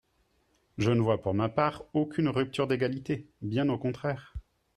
Je ne vois, pour ma part, aucune rupture d’égalité, bien au contraire.